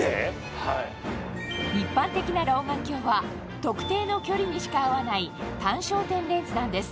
一般的な老眼鏡は特定の距離にしか合わない単焦点レンズなんです